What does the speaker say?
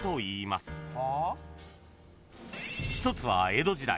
［１つは江戸時代